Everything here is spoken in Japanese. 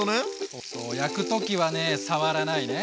そうそう焼く時はね触らないね。